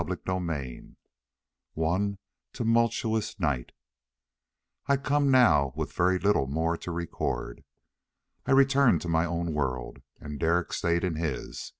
CHAPTER XII One Tumultuous Night I come now with very little more to record. I returned to my own world. And Derek stayed in his.